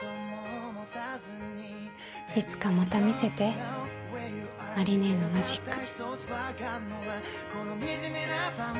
いつかまた見せて麻里姉のマジック。